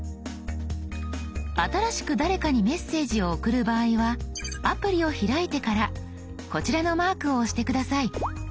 新しく誰かにメッセージを送る場合はアプリを開いてからこちらのマークを押して下さい。